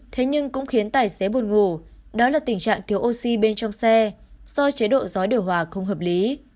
thế nhưng cũng khiến tài xế buồn ngủ đó là tình trạng thiếu oxy bên trong xe do chế độ gió điều hòa không hợp lý